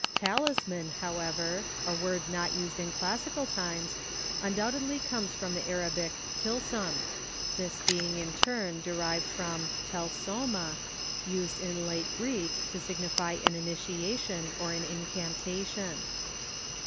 Talisman, however, a word not used in classical times, undoubtedly comes from the Arabic tilsam, this being in turn derived from τέλεσμα, used in late Greek to signify an initiation, or an incantation.